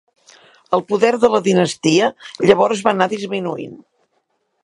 El poder de la dinastia llavors va anar disminuint.